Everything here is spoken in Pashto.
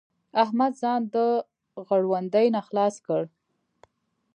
احمد ځان د غړوندي نه خلاص کړ.